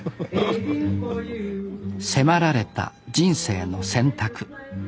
迫られた人生の選択。